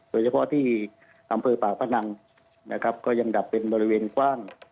โดยเฉพาะที่อำเภอปากพนังนะครับก็ยังดับเป็นบริเวณกว้าง